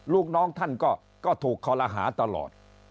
ลูกน้องท่านก็ถูกคอลหาตลอด